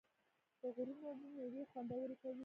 د غرونو اوبه میوې خوندورې کوي.